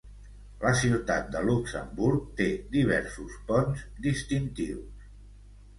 La Ciutat de Luxemburg té diversos ponts distintius.